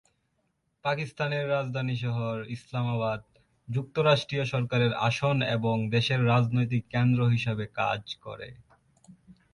পাকিস্তানের রাজধানী শহর, ইসলামাবাদ যুক্তরাষ্ট্রীয় সরকারের আসন এবং দেশের রাজনৈতিক কেন্দ্র হিসেবে কাজ করে।